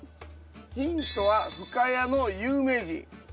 ヒントは深谷の有名人。